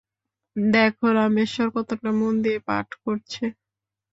দেখো রামেশ্বর, কতোটা মন দিয়ে পাঠ করছে।